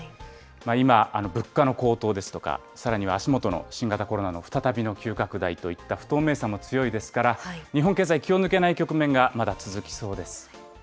今、物価の高騰ですとか、さらには足元の新型コロナの再びの急拡大といった不透明さも強いですから、日本経済、気を抜けない局面がまだ続きそうです。